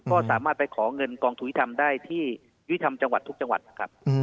ก็สามารถไปขอเงินกองทุนธรรมได้ที่ยุทธรรมจังหวัดทุกจังหวัดนะครับ